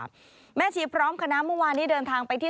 แม่ชีพร้อมคณะเมื่อวานนี้เดินทางไปที่